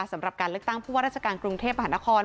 สำหรับการเลือกตั้งผู้ว่าราชการกรุงเทพมหานคร